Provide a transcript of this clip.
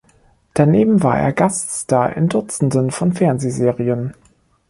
Daneben war er Gaststar in Dutzenden von Fernsehserien.